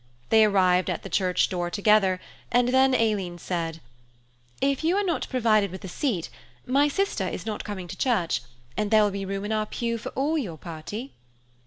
They arrived at the church door together, and then Aileen said, " If you are not provided with a seat, my sister is not coming to church, and there will be room in our pew for all your party."